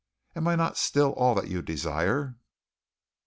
Am I not still all that you desire?"